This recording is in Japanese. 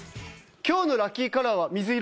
今日のラッキーカラーは水色！